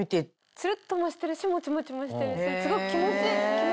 ツルっともしてるしもちもちもしてるしすごく気持ちいいです。